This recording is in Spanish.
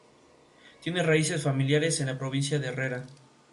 Tiene raíces familiares en la provincia de Herrera.